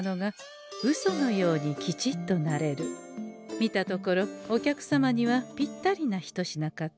見たところお客様にはぴったりな一品かと。